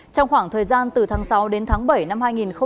trong khoảng thời gian từ tháng sáu đến tháng bảy năm hai nghìn hai mươi